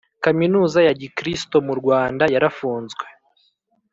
Kaminuza ya gikristo mu Rwanda yarafunzwe